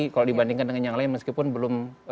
kalau dibandingkan dengan yang lain meskipun belum